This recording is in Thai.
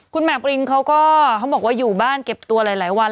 คุณหมากปรินเขาก็เขาบอกว่าอยู่บ้านเก็บตัวหลายวัน